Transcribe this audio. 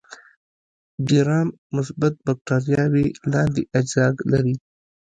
ګرام مثبت بکټریاوې لاندې اجزا لري.